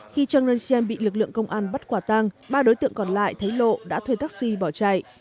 khi cheng renshien bị lực lượng công an bắt quả tang ba đối tượng còn lại thấy lộ đã thuê taxi bỏ chạy